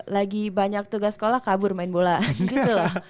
lagi banyak tugas sekolah kabur main bola gitu loh